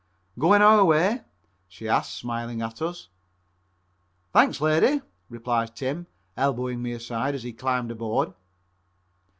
"Going our way?" she asked, smiling at us. "Thanks, lady," replies Tim, elbowing me aside as he climbed aboard.